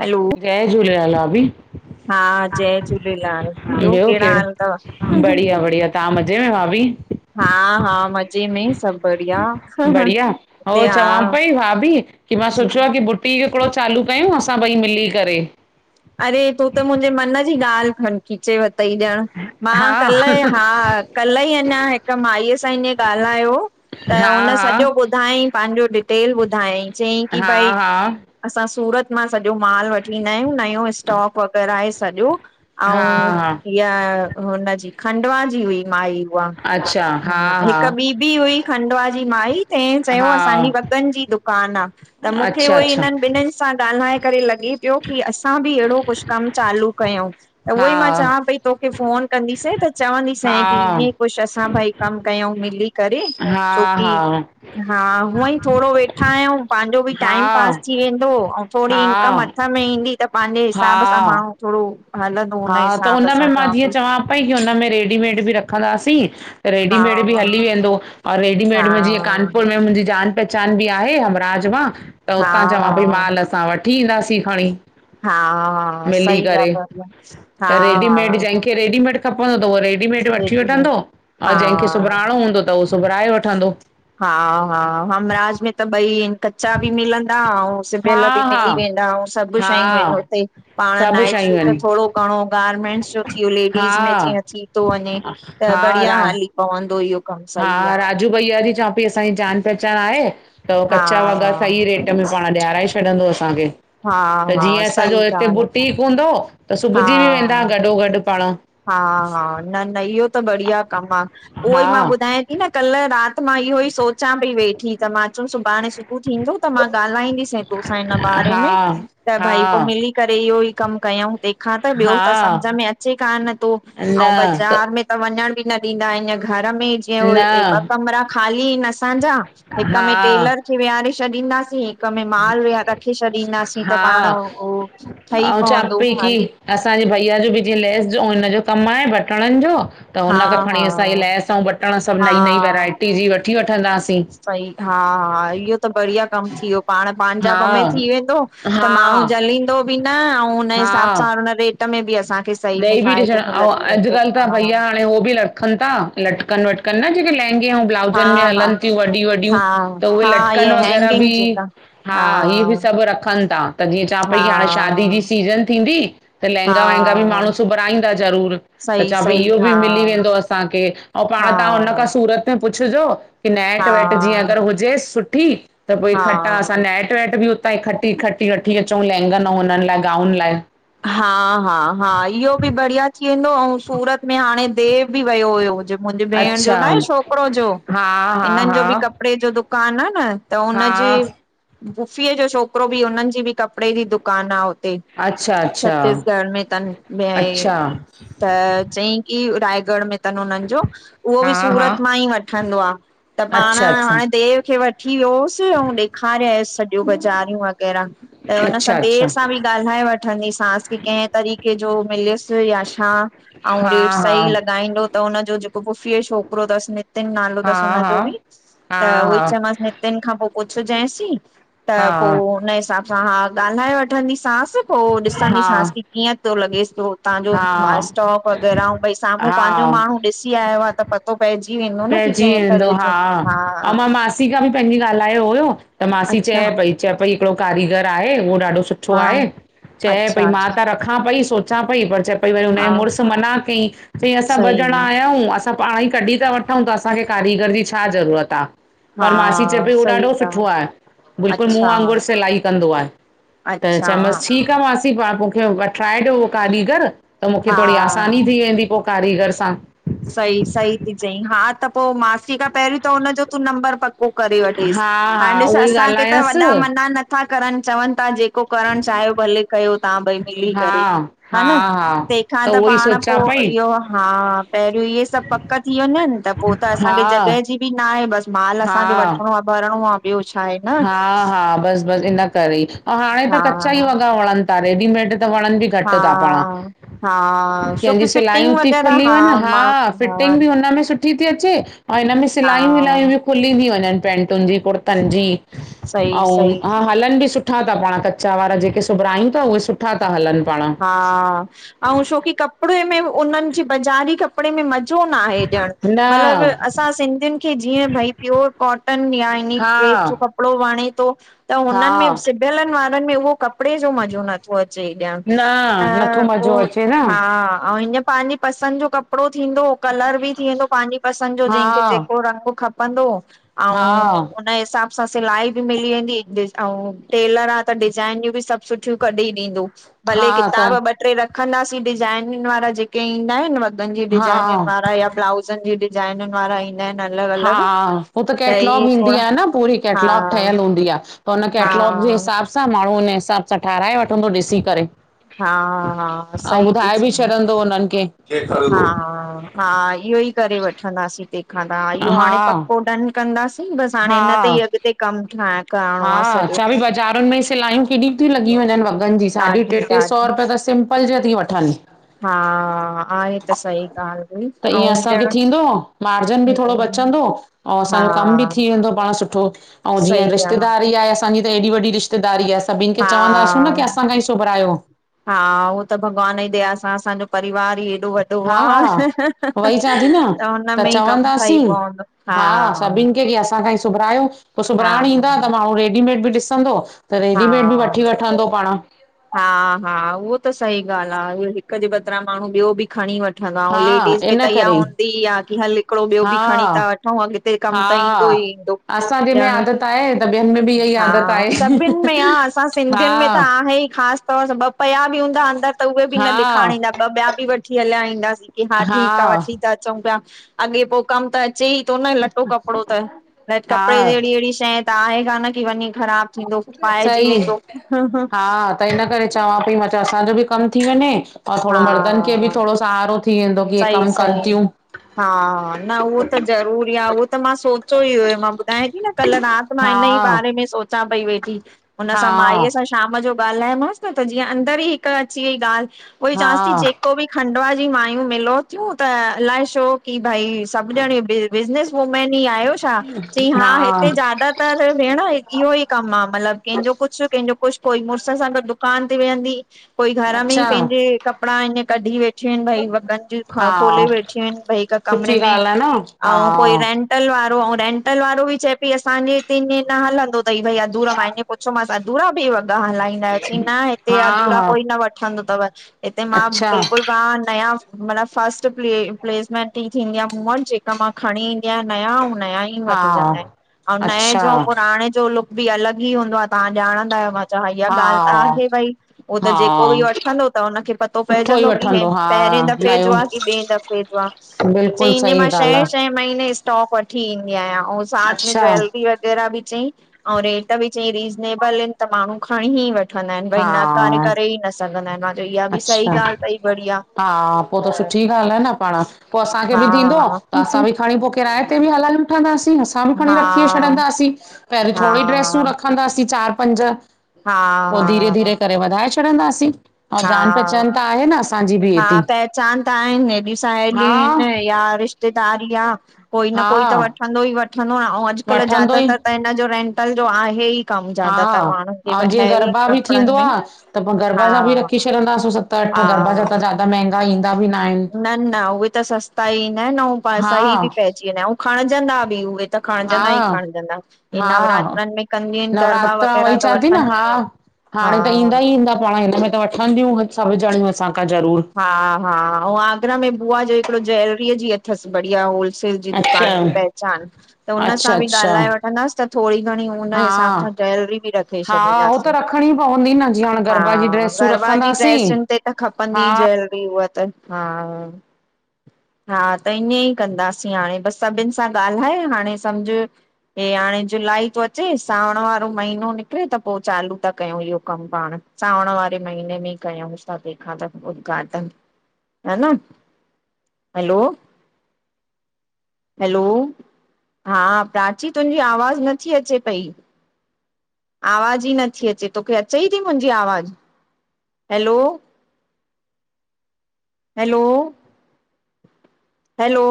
Hello! जय झूलेलाल भाभी! हा, जय झूलेलाल, ॿयो केड़ा हाल तव? तां मज़े में भाभी? हा हा, मज़े में सभ बढ़िया, हो चवां हा पई भाभी, कि मां जी, सोचियो आ कि बुट बुटीक हिकड़ो चालू कयूं, असां ॿई मिली करे? अरे! तूं त मुंजे मन जी ॻाल्ह, खन खीचे वतई ॼण। मां हा कल्ह ई हा कल्ह ई, अञा हिक माईअ सां ईंए ॻाल्हायो त हा उन सॼो हा ॿुधायईं, पांजो डिटेल ॿुधायईं, चयईं की हा भई हा असां सूरत मां सॼो माल वठी ईंदायूं, नयो स्टोक वग़ैरा आहे सॼो हा अऊं, हा ईअ हुनजी, खंडवा जी हुई माई। उहा, अच्छा हा हा हिक ॿी बि हुई खंडवा जी माई। तैं, चयो असांजी हा वॻन जी दुकान आ, त मूंखे अच्छा उहो अच्छा हिनन ॿिनिन सां ॻाल्हाए करे लॻे प्यो, की असां बि एढ़ो कुछ कम चालू कयूं, त हा उहोई मां चां पई तोखे फ़ोन कंदीसैं त हा चवंदीसैं, की ईअंई कुछ असां भई कम कयूं मिली करे, हा छोकी। हा हा, हूअंई थोड़ो वेठा आयूं, पांजो बि टाइम पास हा थी वेंदो अऊं थो थोड़ी हा इंकम हथ में ईंदी, त पांजे हिसाब सां हा माण्हूं थोड़ो हलंदो उन हिसाब सां चवां पई। भई हुनमें रेडीमेड बि रखंदासीं, त हा रेडीमेड बि हली वेंदो। और हा रेडीमेड में जीअं कानपुर में मुंहिंजी जान पहचान बि आहे हमराज मां त हा उतां चवां पई, हा माल असां वठी ईंदासीं खणी। हा, मिली सही करे ॻाल्ह आ। त, रेडीमेड जैंखे रेडीमेड खपंदो त उहो रेडीमेट हा वठी वठंदो, अऊं जैंखे सिबराइणो हूंदो त उहो सिबराए वठंदो। हा हा, हमराज में त ॿई इन। कचा बि मिलंदा, अऊं हा सिभयल बि हा मिली वेंदा, अऊं सभ हा शयूं एन उते। पाण सभु नाइट शयूं सूट आहिनि थोड़ो घणो गार्मेंट्स जो, थीयो हा लेडीस में जीअं थी तो वञे, त हा बढ़िया रा हली पवंदो ईयो। हा, राजू भईया जी चवां पई, असांजी जान पहचान आहे त हा कचा वॻा सही रेट में पाण ॾियाराए छॾंदो असांखे। हा त हा जीअं सही असांजो हिते ॻाल्हि आहे बुटीक हूंदो त सुबजी बि वेंदा हा गॾो गॾु पाण हा, हा, न, न इहो त बढ़िया कमु आ। हो ई हा मां ॿुधाय न कल्ह रात मां इहो ई सोच अचां पई वेठी त मां अचम सुभाणे सुबुहु थींदो त मां ॻाल्हाईंदसीं तोसां हिन बारे में। हा त भाई पो हा मिली करे इहो ई कम कयऊ तंहिंखा त ॿियो त हा सम्झ में अचे कान थो। अउं बज़ार त वञण बि न ॾींदा आहिनि। घर में जीअं न ॿ कमिरा ख़ाली आहिनि असांजा हिक में हा टेलर खे विहारे छॾींदासीं। हिकमें माल वया रखे छॾींदासीं त पाण हा उह ठही ऐं चवां पवंदो पई की हाल असांजे भइया जो बि जीअं लेस जो हुनज जो कमु आहे बटणनि जो त हुन हा खां खणी हा असां इहे लैस ऐं बटण सभु नईं नईं वैराइटी जी वठी वठंदासीं। सई हा, हा इहो त बढ़िया कम थी वियो पाण पांजापा में हा थी वेंदो त माण्हू हा जलींदो बि न अऊं हुन हिसाब हा सां त में बि असांखे सही में ॾेई बि ॾिसण फ़ायदे ऐं में लॻी वेंदो अॼुकल्ह त भईया हाणे उ बि रखनि था लटकनि वटक कनि जेके लहंगे ऐं ब्लाउजनि में हा हा हलनि थियूं वॾियी, वॾियूं हा त उहे हा लटकनि इहे वग़ैरह हैंगिंग बि जेका हा इहे बि सभु रखनि था, त जीअं चवां पई हाणे शादी जी हा सीजन थींदी त हा लहंगा वहगां त ॿि माण्हू सुबराईंदा ज़रूरु त सही चवां पई सही इहो बि हा मिली वेंदो असांखे। अऊं पाण हा तव्हां हुन खां सूरत त पुछजो की नेट हा वेट जीअं अगरि हुजे सुठी, त पोइई हा इकटॄठा असां नैट वैट बि उतां ई खटी खटी वठी अचूं लहंगन अऊं हुननि लाइ गाउन लाइ। हा, हा, हा इहो बि बढ़िया थी वेंदो अऊं सूरत में हाणे देव बि वियो हुयो। मुंहिंजे भेण जो न आहे अच्छा छोकिरो जो, हा हा इननि जो हा बि कप कपिड़े जो दुकानु आहे न त हुननजे हा पुफीअ जो छोकिरो बि हुननि जी बि कपिड़े जी दुकान आ। अच्छा अच्छा छत्तीसगढ़ में तन, वई अच्छा त चईं की रायगढ़ में त उन्नजो उहो हा बि हा सूरत मां ई वठंदो आ। त पाण अच्छा अच्छा हाणे देव खे वठी वियोसि ऐं ॾेखारियुसि सॼियूं बाज़ारियूं वग़ैरह। त हुन सां अच्छा अच्छा देरि सां बि ॻाल्हाए वठंदीसि। त कहिं तरिके जो मिलियुसि यां छा? अऊं हा रेट सही हा लॻियुसि। ॻाईंदो त हुनजो जेको पुफीअ जो छोकिरो तस, नि नितीन नालो तस हा हुन हा जो बि, त उहई हा चवमासि नि नितीन खां पोइ पुछ जैय सीं, त पोइ हा हुन हिसाब हां, हां ॻाल्हाए वठंदीसासि, पोइ हा ॾिसंदीसासि की कीअं थो लॻेसि पियो? तांजो हा हा मास्टॉ वग़ैरह भई साम्हूं पंहिंजो हा माण्हू ॾिसी आयो आ त। [unintelligible] पतो पइजी वेंदो न की पइजी कंहिं वेंदो तरह हा जो ॿारु ऐं आ। मां मासी खां बि पंहिंजी ॻाल्हायो हुयो, त मासी अच्छा चएं पई, चएं पई हिकिड़ो कारीगर आहे उहो ॾाढो सुठो सुठो हा आहे। चएं पई अच्छा मां अच्छा त रख मां पई सोचां, पई पर चएं पई पर हुन जे हा मुड़ुस मना कई चई असां सही ॿ ॼणा आयूं हूं। असां पाण ई कॾि था वठूं त असांखे कारीगर जी छा ज़रूरत आ? हा पर मासी चएं पई उहो सही ॾाढो सुठो ॻाल्हि आव बिल्कुलु मूंंहं अच्छा वांगुरु सिलाई कंदो आहे। त अच्छा चयमासि ठीकु आहे मासींं। आंटी वठाए ॾियो उह कारीगर त मूंखे थोरी आसानी हा थी वेंदी पो कारीगर सां। सही, सही ती चई। हा त पो मासी खां पहिरीं त हुनजो तूं नंबर पक् को करे वठेस। हा हा हाणे ॾिस उहो ई असांखे त वॾा ॻाल्हायसि मना नथा करन चवन ता जे को करण चायो, भले कयो तवां ॿई मिली हा करे। हा हन, हा तेंखां त उहो ई पाण पो‌ सोचां पई इयो हा पेरियों इये सभ पक थी वञन, त पो त हा असांखे जॻह जी बि नाए, बस माल हा असांखे वठणो आहे, भरणो आहे, ॿियो छा आहे, न? हा हा बस बस इन करे ई, अऊं हाणे त हा कचा ई वॻा वणन ता रेडीमेड त वणन बि घट हा ता पाण। हा छोकी केंज्यूं फिटिंग सिलायूं ती वग़ैरह खुली हा वंञ, मां हा फिटिंग बि उनमें सु थी अचे और हिन में हा सिलायूं वि खुली बि वञन पेंटून जी, कुर्तन जी सही अऊं, सही हा हलन बि सु सुठा था पाण कचा वारा, जेके सुबरायूं तां, उहे सुठा था हलनि पाण। हा, अऊं छोकि कपड़े में, उनन जी बज़ारी कपड़े में मज़ो न आहे। न मतलब, असां सिंधिन खे जीअं भई प्योर कॉटन या ईनी हा [unintelligible] जो कप कपड़ो वणे तो, त हा हुनन में सिबयलन वारन में उओ कपड़े जो मज़ो नथो अचे ॼण। न, त नथो मजो पोइ अचे न। हा, अऊं हींअ पांजी पसंद जो कपड़ो थींदो कलर बि थी वेंदो पांजी पसंद जो, जेंखे हा जेको रंग खपंदो, हा अऊं नए हिसाब सां सिलाई बि मिली वेंदी, अऊं टेलर आ त डिज़ाइनियूं बि सभु सुठियूं कढी ॾींदो। हा भले किताब त ॿ ट्रे रखंदासीं डिजाइनिन वारा जेके ईंदा आएन वॻन जी हा डिजाइनिन वारा या ब्लाउज़न जी डिजाइनिन वारा ईंदा आएन हा, हो त केटलॉग ईंदी आ न पूरी हा कैटलॉग ठयल हूंदी आ। त हुन हा कैटलॉग जे हिसाब सां, माण्हूं उन हिसाब सां ठाराए वठंदो ॾिसी करे। हा हा अऊं सही थी ॿुधाए बि चई छॾंदो हुनन खे। हा हा इहो ई करे वठंदासी तेंखां त, हा इहो हाणे पक्को डन। कंदासीं। बस हाणे हा हिन ते ई अॻते कम ठाहे करणो आ सॼो। हज़ारुन में सिलायूं केॾि थी लॻी वञन वॻन जी। साढी ट्रे ॾाढो ट्रे सौ ॾाढो रुपया त सिम्पल जा ती वठन। हा आहे त सही ॻाल्हि हुई त ऐं ईंअ असांखे ॼण थींदो, मार्जन बि थोड़ो हम्म बचंदो। अऊं हा असांजो कम बि थी वेंदो पाण सुठो, अऊं जीअं सही आहे रिश्तेदारी आहे असांजी, त ऐॾी वॾी रिश् रिश्तेदारी आ, सभिन खे चवंदासी हा न कि असां खां ई सुभरायो। हा, उओ त भॻवान जी दया सां असांजो परिवार ई एॾो व वॾो हा आ, उहोई चवां थी न त हुनमें ई कम ठई पवंदो, हा। केढ़ी असां खांईं सु सुभरायूंस, पो हा सुभराइण ईंदा, त माणूं रेडीमेड बि डिसंदो, त हा रेडीमेड बि वठी वठ वठंदो पाण। हा हा, उओ त सही ॻाल्हि आ, हिक जे बदरां माणूं ॿियो बि खणी व ठंदा औं हा लेडीस में इन त इहा करे हूंदी ई आ कि हलु हिकिड़ो ॿियो हा बि खणी था वठूं अगि ते कम त ईंदो हा ई ईंदो। असांजे में ॼण आदत आहे त ॿियनि में बि इहा ई हा आदत आ, सभिनि में आहे आ असां सिंधियुनि में त हा आहे ई खास तौर सां ॿ पया बि हूंदा अंदर, त उहे बि न हा ॾेखाणणींदा। ॿ ॿिया बि वठी हलिया ईंदासीं, कि हा ठीक आ, वठी त अचऊं पिया, अॻे पो कम त अ चेई तो न लटो कपिड़ो त, कपिड़े हा जहिड़ी, अहिड़ी शइ त आहे कान, कि वञी ख़राब थींदो, पाइजी सही वेंदो। हा त इन करे चवां पई, मां चयो असांजो बि कमु थी वञे, औं थोड़ो मर्दन खे भी थोड़ो सहारो थी वेंदो की इहे सई कमु कनि सई, थियूं हा, न हू त जरूरी आ ऊ त मां सोचियो ई हुयो, मां ॿुधायें थी न कल्ह रात मां हा हिन ई बारे में सोचां पई वेठी। हुन हा सां माईअ सां शाम जो ॻाल्हायोमांसि न, त जीअं अंदर ई हिक अची वई ॻाल्हि उहोई चवांस थी हा जेको बि खंडवा जी मां ई मिलो थियूं त अलाए छो कि भई सभु ॼड़ियूं बिज बिजनेस वूमैन ई आह्यो छा? अच्छा, चयईं हा हिते ज्यादा तर भेण हिकु इहो ई कमु आ, मतिलबु कहिंजो कुछु, कंहिंजो कुछ, कोई मुड़स सां गॾु दुकान ते वियदीं कोई घर में ई अच्छा पंहिंजे कपिड़ा आहिन, कढी वेठयूं आहिनि भई खां हा खोले वेठियूं आहिनि भई हिक कमरे सुठी में, ॻाल्हि आहे न हा औं कोई रेंट होटल वारो, औ रेंटल वारो बि चए पई असांजे हिते ईए न हलंदो तई भई अधूरा माइ पुछो मांस अधूरा बि हुअन? हलाईंदा आहयो, चईं न हिते हा अधूरा हा कोई न वठंदो तव हिते मां अच्छा बिल्कुलु वाह नयव मतलब फस्ट प्ले प्लेसमेंट ई थींदी आ मूं वट, जेका मां खणी ईंदी आहियां नयां अऊं नयां ई ई हा वठजंदा आन, अऊं नए अच्छा जो अऊं पुराणे जो लुक भी अलग ई हूंदो आ तहां ॼाणंदा आहियो त इहा हा ॻाल्हि त आहे भई उहो त हा जेको भी वठंदो, त हुनखे पतो सुठो ई पइजंदो की हे वठंदो हा पहिरें द दफे जो नयो आ कि ‍ॿे दफ़े जो आ? बिल्कुलु चईं ईअ मां सही ॻाल्हि शहें शहें आहे महीने स्टॉक वठी ईंदी आयां औं साथ में अच्छा ज्वैल वग़ैरा बि चईं औं रेट बि चयईं रीज़नेबल इन त माण्हू खणी ही वठंदा आहिनि, भई नकारे हा करे ही न स सघंदा आहिनि, मां चयो इहा बि सही अच्छा ॻाल्हि तई बढ़िया। हा, पो त सुठी हा ॻाल्हि आ न पाण, पो असांखे बि ॾीदों, हा त असां बि खणी बु किराए ते बि हलाए वठंदासीं, असां बि खणी हा रखी छॾदासीं, पहिरीं हा थोरी ड्रेसूं रख खंदासीं चार, पंज हा पो धीरे हा धीरे करे वधाए छॾंदासीं। अऊं जान हा पहचान त आहे न असां हा पहचान त आहिनि, हेॾियूं साहेलियूं हा आहिनि या रिश्तेदारी आ। कोई न हा कोई त वठंदो ई वठंदो, अऊं अॼुकल वठंदो ई ज्यादातर त हिनजो रेंटल जो आहेई हा, औं जे गरबा भी कपिड़नि थींदो आ, में त पो हा गरबा जा भी रखी छ छॾदा सूं सत अठ, हा गरबा जा त जादा महिंगा ईंदा बि न आहिनि न न, उहे त सस्ता ई ईंदा आहिनि, औं प सही हा बि पइजी वेंदा आहिनि, औं खणजंदा बि उहे त खणजंदा ई हा खणजंदा, इ हा नवरात्रनि में कंदिंयूं इन गरबा नवरात्रा वग़ैरह, वई त चवां थी न वठंदियूं हा ई इन हाणे त ईंदा ई ईंदा, पाण हिन में त वठंदियूं सबु जणियूं असांखां ज़रूरु। हा हा, औं आगरा में बुआ जो हिकिड़ो ज्वैलरीअ जी अथस बढ़िया होल सेल जी अच्छा दुकान जी पहचान, त हुन अच्छा सां भी अच्छा ॻाल्हाए वठंदसि, त थोरी घणी हुन हा हिसाब सां ज्वेलरी बि रखे हा हो छॾींदासीं, त रखणी पवंदी न जीअं हाणे हा गरबा जी ड्रेसूं गरबा जी रखंदासीं ड्रेसुनि ते त खपंदी हा जव्लेरी उह त हा हा त ईअं ई कंदासीं हाणे बसि सभिनि सां ॻाल्हाए हाणे सम्झ हे हाणे जुलाई थो अचे, सावण वारो महीनो निकिरे त पो चालू था कयूं इहो कमु पाण। सावण वारे महीने में कयूंस था तंहिं खां त उद्घगाटन, ह न? हलो हैलो हा प्राची तुंहिंजी आवाज़ु नथी अचे पई आवाज ई नथी अचे तोखे अचेई थी मुंहिंजी आवाज, हैलो? Hello hello